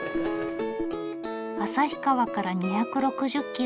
旭川から２６０キロ。